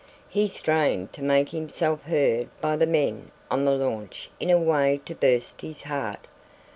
He strained to make himself heard by the men on the launch in a way to burst his heart.